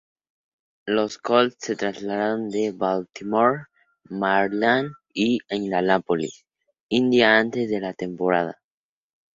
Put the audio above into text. Los Colts se trasladaron de Baltimore, Maryland a Indianápolis, Indiana antes de la temporada.